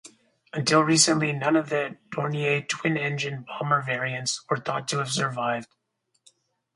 Until recently, none of the Dornier twin-engined bomber variants were thought to have survived.